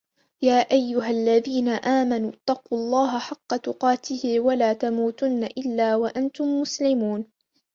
يا أيها الذين آمنوا اتقوا الله حق تقاته ولا تموتن إلا وأنتم مسلمون